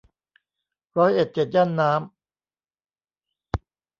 ร้อยเอ็ดเจ็ดย่านน้ำ